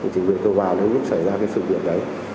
chỉ việc tôi vào lúc xảy ra cái sự việc đấy